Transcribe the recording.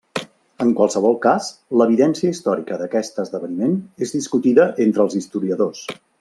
En qualsevol cas, l'evidència històrica d'aquest esdeveniment és discutida entre els historiadors.